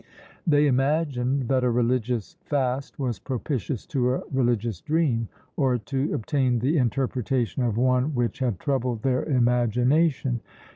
They imagined that a religious fast was propitious to a religious dream; or to obtain the interpretation of one which had troubled their imagination.